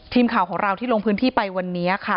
ทีมข่าวของเราที่ลงพื้นที่ไปวันนี้ค่ะ